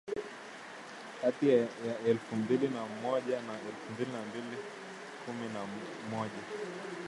kati ya elfu mbili na moja na elfu mbili na kumi na moja